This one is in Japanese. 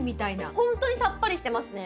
ホントにさっぱりしてますね。